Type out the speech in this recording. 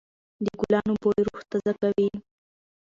د ګلانو بوی روح تازه کوي.